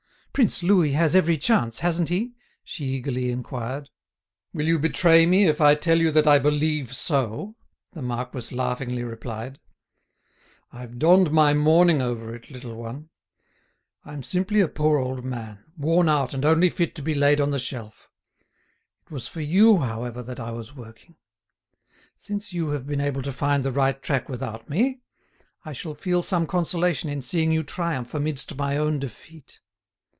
"Prince Louis has every chance, hasn't he?" she eagerly inquired. "Will you betray me if I tell you that I believe so?" the marquis laughingly replied. "I've donned my mourning over it, little one. I'm simply a poor old man, worn out and only fit to be laid on the shelf. It was for you, however, that I was working. Since you have been able to find the right track without me, I shall feel some consolation in seeing you triumph amidst my own defeat.